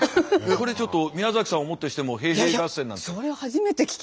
これちょっと宮崎さんをもってしても平平合戦なんて。